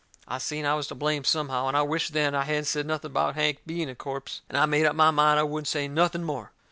I seen I was to blame somehow, and I wisht then I hadn't said nothing about Hank being a corpse. And I made up my mind I wouldn't say nothing more.